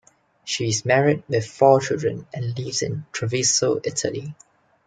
She is married with four children and lives in Treviso, Italy.